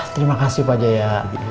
terima kasih pak jaya